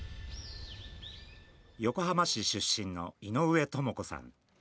横浜市出身の井上朋子さん。